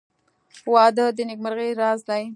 • واده د نېکمرغۍ راز دی.